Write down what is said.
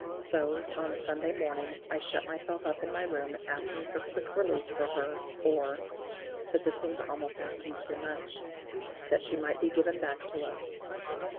So on Sunday morning I shut myself up in my room asking for quick relief for her, or but this seemed almost asking too much that she might be given back to us.